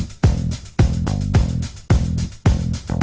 ขอบคุณค่ะ